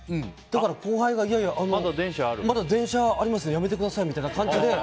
だから後輩がいやいや、まだ電車あるのでやめてください、みたいな感じで。